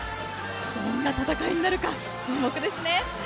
どんな戦いになるか注目ですね。